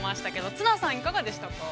綱さん、いかがでしたか。